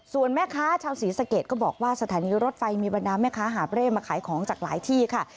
ส่วนแม่ค้าชาวศรีสะเกดก็บอกว่าสถานีรถไฟมีบรรดาแม่ค้าหาบเร่มาขายของจากหลายที่ค่ะ